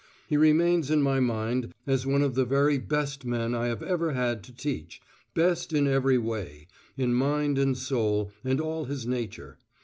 He remains in my mind as one of the very best men I have ever had to teach best every way, in mind and soul and all his nature.